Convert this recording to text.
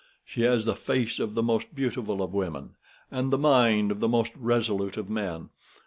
She has the face of the most beautiful of women and the mind of the most resolute of men.